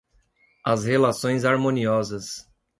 as relações harmoniosas